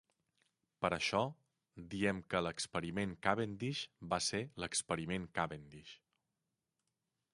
Per això, diem que l"experiment Cavendish va ser "l""experiment Cavendish.